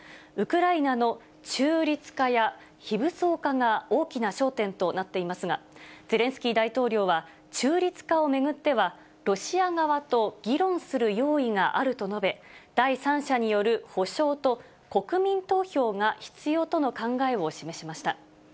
ウクライナの中立化や非武装化が大きな焦点となっていますが、ゼレンスキー大統領は、中立化を巡っては、ロシア側と議論する用意があると述べ、第三者による保証と国民投票が必要との考えを示しました。